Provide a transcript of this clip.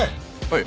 はい。